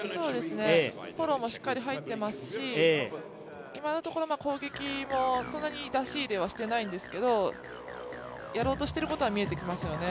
フォローもしっかり入ってますし、今のところ攻撃もそんなに出し入れはしていないんですけど、やろうとしていることは見えてきますよね。